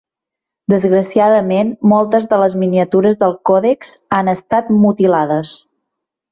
Desgraciadament moltes de les miniatures del còdex han estat mutilades.